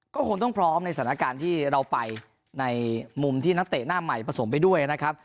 ก็คงต้องพร้อมในสถานการณ์ที่เราไปในมุมที่นักเตะหน้าใหม่ผสมไปด้วยนะครับ